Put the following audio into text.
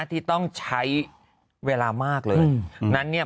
ที่ต้องใช้เวลามากเลย